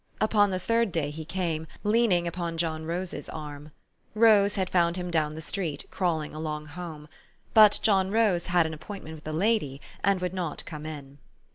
Upon the third day he came, leaning upon John Rose's arm. Rose had found him down the street, crawling along home. But John Rose had an appointment with a lady, and would not come in.